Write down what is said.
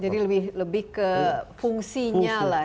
jadi lebih ke fungsinya lah